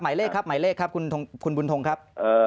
หมายเลขครับคุณบุนทรงครับ